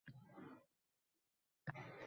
So‘zlarimning qay biri seni xafa qildi?